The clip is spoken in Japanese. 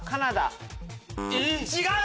違う！